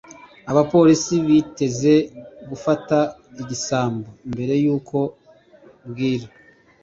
abapolisi biteze gufata igisambo mbere yuko bwira